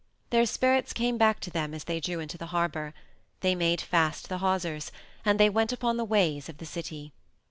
Their spirits came back to them as they drew into the harbor; they made fast the hawsers, and they went upon the ways of the city.